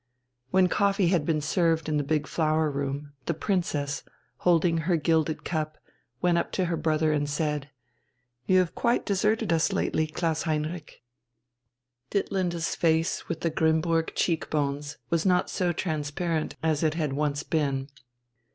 When coffee had been served in the big flower room, the Princess, holding her gilded cup, went up to her brother and said: "You have quite deserted us lately, Klaus Heinrich." Ditlinde's face with the Grimmburg cheek bones was not so transparent as it had once been.